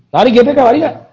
lari gbk lari gak